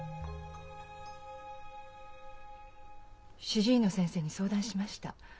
主治医の先生に相談しました。